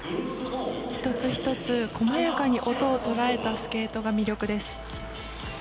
一つ一つこまやかに音をとらえたスケートが魅力です。